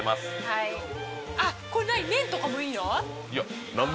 はいあっこれなに麺とかもいいの？